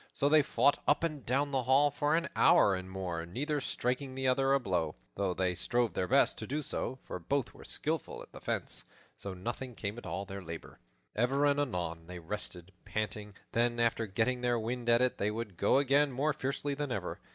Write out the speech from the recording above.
So they fought up and down the hall for an hour and more, neither striking the other a blow, though they strove their best to do so; for both were skillful at the fence; so nothing came of all their labor. Ever and anon they rested, panting; then, after getting their wind, at it they would go again more fiercely than ever.